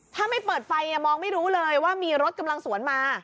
ถ้าไม่เปิดไฟมองไม่รู้เลยว่ามีรถกำลังสวนมา